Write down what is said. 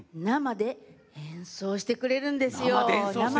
なまでえんそうしてくれるんです。